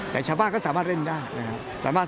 แต่ชาวบ้านก็สามารถเล่นได้นะครับ